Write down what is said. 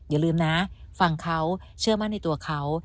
อย่าลืมนะฟังเขาเชื่อมั่นในตัวเขา